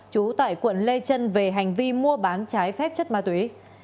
trú tại quận lê trân về hành vi mua bán trái phép chất ma túy